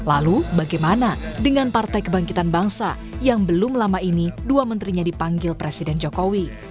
lalu bagaimana dengan partai kebangkitan bangsa yang belum lama ini dua menterinya dipanggil presiden jokowi